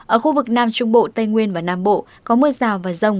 ở khu vực nam trung bộ tây nguyên và nam bộ có mưa rào và rông